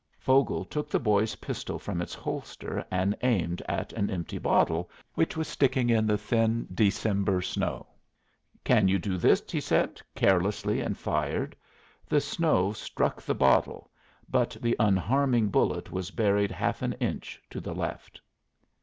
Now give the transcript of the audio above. Vogel took the boy's pistol from its holster and aimed at an empty bottle which was sticking in the thin Deceiver snow. "Can you do this?" he said, carelessly, and fired. The snow struck the bottle, but the unharming bullet was buried half an inch to the left.